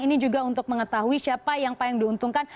ini juga untuk mengetahui siapa yang paling diuntungkan